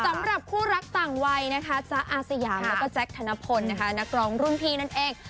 สำหรับคู่รักต่างวัยนะคะจ๊ะอาสยามแล้วก็แจ๊คธนพลนะคะนักร้องรุ่นพี่นั่นเอง